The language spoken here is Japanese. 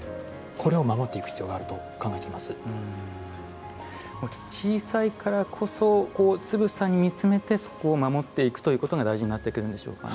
これを守っていく必要があると小さいからこそつぶさに見詰めてそこを守っていくということが大事になってくるのでしょうか。